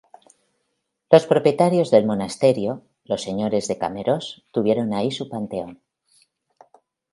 Los propietarios del monasterio, los señores de Cameros tuvieron ahí su panteón.